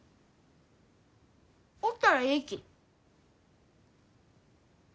おったらえいき。